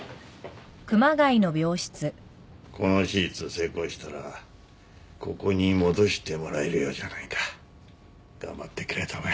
この手術成功したらここに戻してもらえるようじゃないか。頑張ってくれたまえ。